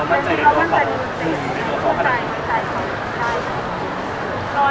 เออไม่คลุกเขา